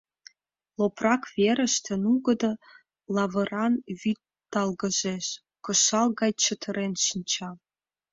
Лопрак верыште нугыдо лавыран вӱд талгыжеш, кышал гай чытырен шинча.